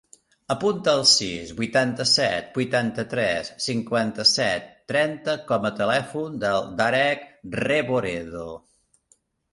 Apunta el sis, vuitanta-set, vuitanta-tres, cinquanta-set, trenta com a telèfon del Darek Reboredo.